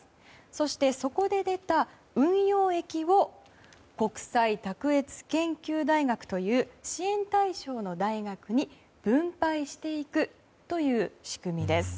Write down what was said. そして、そこで出た運用益を国際卓越研究大学という支援対象の大学に分配していくという仕組みです。